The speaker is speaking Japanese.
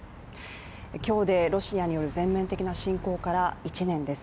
今日でロシアによる全面的な侵攻から１年です。